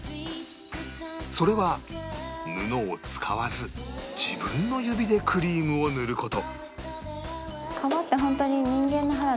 それは布を使わず自分の指でクリームを塗る事